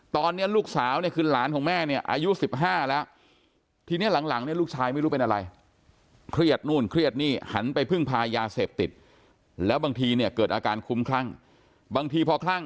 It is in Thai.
ตอนนี้ลูกสาวคือหลานของแม่อายุ๑๕แล้วทีนี้หลังลูกชายไม่รู้เป็นอะไร